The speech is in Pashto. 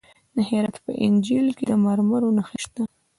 د هرات په انجیل کې د مرمرو نښې شته.